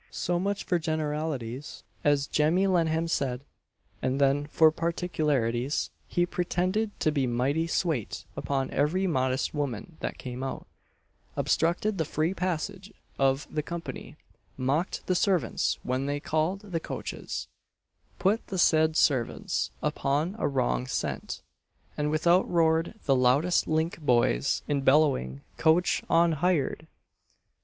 So much for generalities, as Jemmy Lennam said; and then for particularities, he pretended to be mighty swate upon every modest woman that came out, obstructed the free passage of the company, mocked the servants when they called the coaches, put the said servants upon a wrong scent, and out roared the loudest link boys in bellowing "coach on hired!"